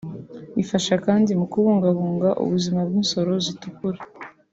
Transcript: ifasha kandi mu kubungabunga ubuzima bw’insoro zitukura